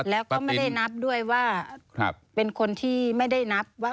แล้วก็ไม่ได้นับด้วยว่าเป็นคนที่ไม่ได้นับว่า